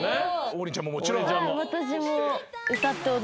王林ちゃんももちろん。